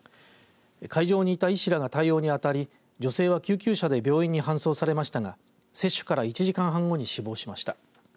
会場にいた医師らが対応に当たり女性は救急車で病院に搬送されましたが接種から１時間半後に死亡しました。